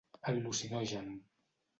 Al·lucinogen.